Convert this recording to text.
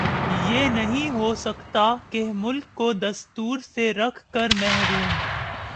یہ نہیں ہو سکتا کہ ملک کو دستور سےرکھ کر محروم